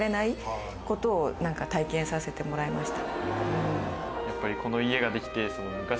させてもらいました。